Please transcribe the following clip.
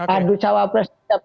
adu cawa plus